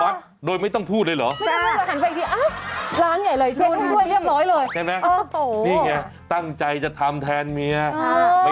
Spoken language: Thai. อวยเท่าช่วงกลับไปก็ฟ่าวบ้านใจกล้าก็จัดไปนะ